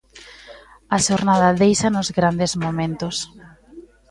A xornada déixanos grandes momentos.